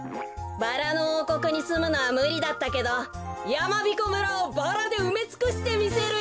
バラのおうこくにすむのはむりだったけどやまびこ村をバラでうめつくしてみせるよ。